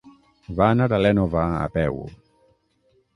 Va anar a l'Énova a peu.